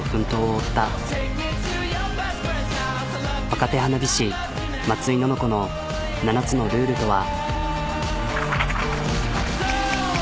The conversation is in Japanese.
若手花火師井のの子の７つのルールとは？